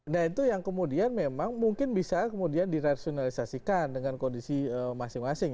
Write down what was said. nah itu yang kemudian memang mungkin bisa kemudian dirasionalisasikan dengan kondisi masing masing